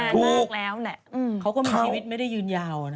มากแล้วแหละเขาก็มีชีวิตไม่ได้ยืนยาวนะ